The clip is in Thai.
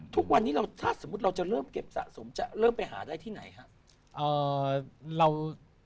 ทุกวันนี้ถ้าเก็บสะสมเราจะเริ่มไปหาได้ที่ไหน